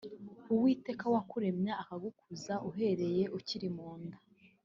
Uwiteka wakuremye akagukuza uhereye ukiri mu nda